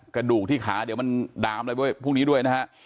กระดูกที่ขาเดี๋ยวมันดามอะไรด้วยพวกนี้ด้วยนะฮะ